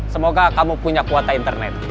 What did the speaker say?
semoga kamu punya kuota internet